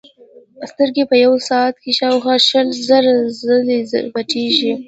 سترګې په یوه ساعت کې شاوخوا شل زره ځلې پټېږي.